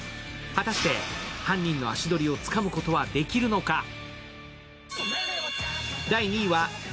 果たして、犯人の足取りをつかむことはできるのか？